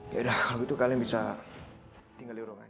ya udah kalau gitu kalian bisa tinggal di ruangan